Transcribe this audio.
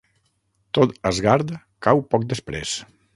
Tot Asgard cau poc després.